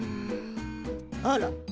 あら。